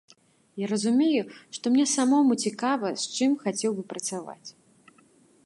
Я разумею, што мне самому цікава, з чым хацеў бы працаваць.